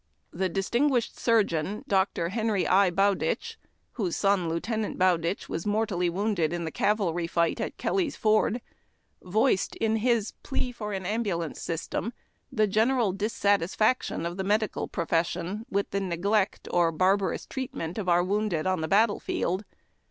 The distinguished surgeon Dr. Henry I. Bowditch, whose son, Lieut. Bowditch, was mortally wounded in the cavalry fight at Kelly's Ford, voiced, in his "Plea for an Ambulance System," the general dissatisfaction of the medical profes sion with the neglect or barbarous treatment of our wounded on the battle field.